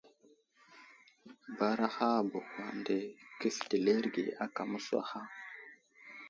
Baraha bəhwa nde kéfetileerege ákà mə́suwaha.